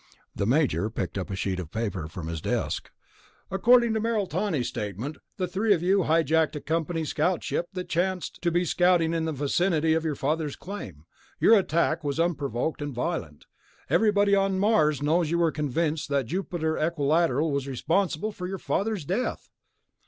The Major picked up a sheet of paper from his desk. "According to Merrill Tawney's statement, the three of you hijacked a company scout ship that chanced to be scouting in the vicinity of your father's claim. Your attack was unprovoked and violent. Everybody on Mars knows you were convinced that Jupiter Equilateral was responsible for your father's death."